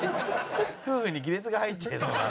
夫婦に亀裂が入っちゃいそうな。